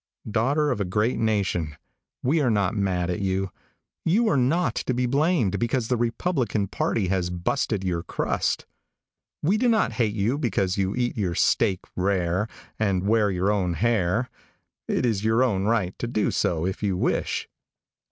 Daughter of a great nation, we are not mad at you. You are not to be blamed because the republican party has busted your crust. We do not hate you because you eat your steak rare and wear your own hair. It is your own right to do so if you wish.